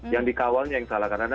yang dikawalnya yang salah